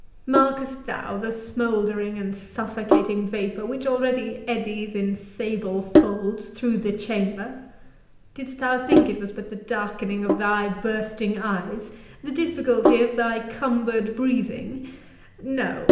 Markest thou the smouldering and suffocating vapour which already eddies in sable folds through the chamber?—Didst thou think it was but the darkening of thy bursting eyes—the difficulty of thy cumbered breathing?—No!